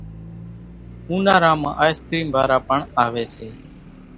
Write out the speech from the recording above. اونارا مان آئيسڪريم وارا پڻ آويَ سي۔